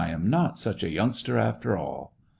153 am not such a youngster after all !